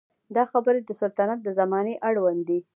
دا خبرې د سلطنت د زمانې اړوند دي.